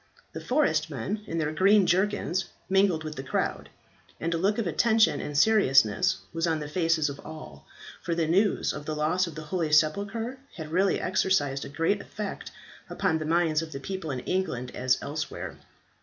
The forest men in their green jerkins mingled with the crowd, and a look of attention and seriousness was on the faces of all, for the news of the loss of the holy sepulchre had really exercised a great effect upon the minds of the people in England as elsewhere.